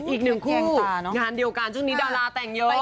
อีกหนึ่งคนงานเดียวกันช่วงนี้ดาราแต่งเยอะ